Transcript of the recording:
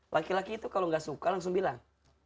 laki laki itu kalau nggak suka langsung bilang